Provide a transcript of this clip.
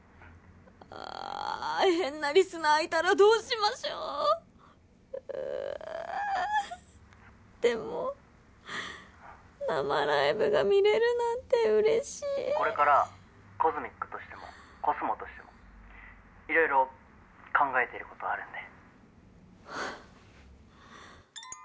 あぁ変なリスナーいたらどうしましょううぅでも生ライブが見れるなんてうれしい「これからＣＯＳＭＩＣとしてもコスモとしてもいろいろ考えてることあるんで」